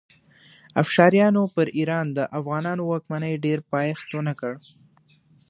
افشاریانو پر ایران د افغانانو واکمنۍ ډېر پایښت ونه کړ.